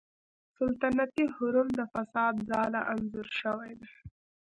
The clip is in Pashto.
سلطنتي حرم د فساد ځاله انځور شوې ده.